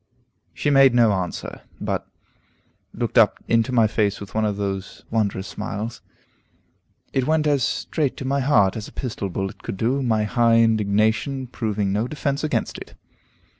She made no answer, but looked up into my face with one of those wondrous smiles. It went as straight to my heart as a pistol bullet could do, my high indignation proving no defence against it.